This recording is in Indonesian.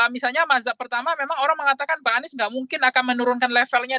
misalnya mazhab pertama memang orang mengatakan pak anies nggak mungkin akan menurunkan levelnya